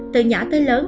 từ nhỏ tới lớn